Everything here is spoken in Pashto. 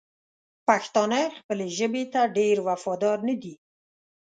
پښتانه خپلې ژبې ته ډېر وفادار ندي!